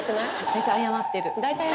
大体謝ってる。